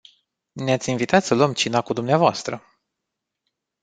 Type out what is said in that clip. Ne-ați invitat să luăm cina cu dvs.